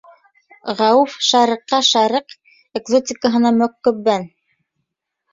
Гауф шәреҡҡә, шәреҡ экзотикаһына мөкиббән.